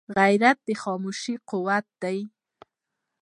غیرت د خاموشۍ قوت دی